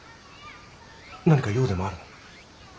何か用でもあるの？